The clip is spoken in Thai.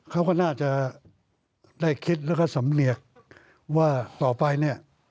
เขาก็น่าจะได้คิดแล้วก็สำเนียกว่าต่อไปเนี่ย